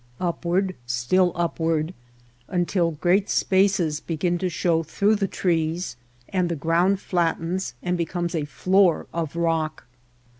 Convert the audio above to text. Upward, still upward, until great spaces be gin to show through the trees and the ground flattens and becomes a floor of rock.